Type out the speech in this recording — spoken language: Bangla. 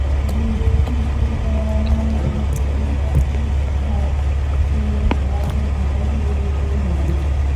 বিদেশি ক্রেতারা নারায়ণগঞ্জে এলেও দিন থাকতে তাঁদের ঢাকায় ফিরে যেতে হয়।